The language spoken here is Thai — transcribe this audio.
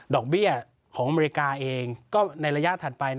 เบี้ยของอเมริกาเองก็ในระยะถัดไป